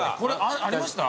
ありました？